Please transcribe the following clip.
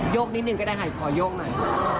กนิดนึงก็ได้ค่ะขอโยกหน่อย